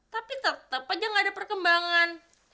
tapi tetap aja gak ada perkembangan